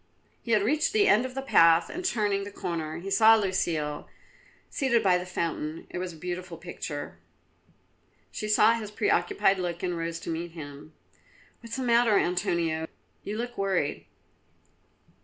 He had reached the end of the path and turning the corner saw Lucile seated by the fountain. It was a beautiful picture. She saw his preoccupied look and rose to meet him. "What is the matter, Antonio? You look worried."